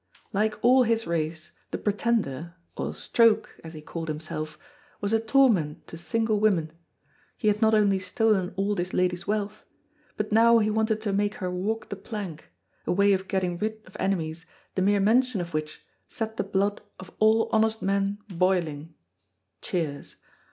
Like all his race the Pretender, or Stroke, as he called himself, was a torment to single women; he had not only stolen all this lady's wealth, but now he wanted to make her walk the plank, a way of getting rid of enemies the mere mention of which set the blood of all honest men boiling (cheers).